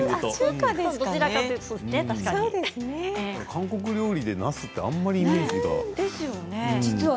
韓国料理でなすってあまりイメージが。